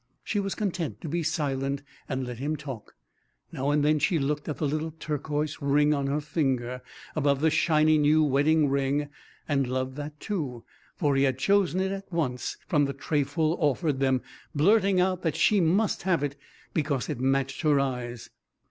She was content to be silent and let him talk. Now and then she looked at the little turquoise ring on her finger above the shiny new wedding ring, and loved that, too, for he had chosen it at once from the trayful offered them, blurting out that she must have it because it matched her eyes.